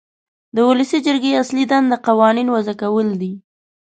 د ولسي جرګې اصلي دنده قوانین وضع کول دي.